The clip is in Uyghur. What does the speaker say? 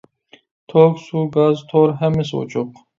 توك، سۇ، گاز، تور ھەممىسى ئوچۇق.